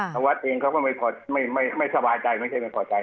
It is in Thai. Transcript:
ทางวัดเองเขาก็ไม่สบายใจไม่ใช่ไม่พอใจ